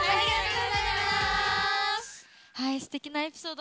はいすてきなエピソード